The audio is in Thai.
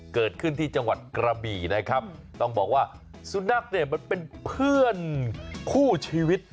เกิดขึ้นที่จังหวัดกระบี่นะครับต้องบอกว่าสุนัขเนี่ยมันเป็นเพื่อนคู่ชีวิต